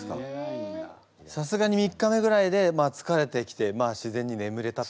さすがに３日目ぐらいでつかれてきて自然にねむれたと。